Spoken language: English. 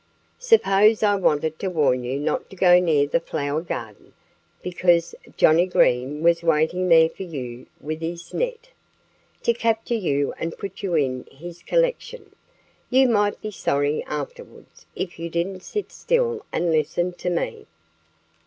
"Suppose I wanted to warn you not to go near the flower garden, because Johnnie Green was waiting there for you with his net, to capture you and put you in his collection? You might be sorry, afterwards, if you didn't sit still and listen to me."